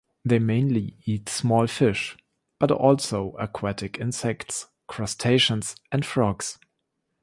They mainly eat small fish, but also aquatic insects, crustaceans, and frogs.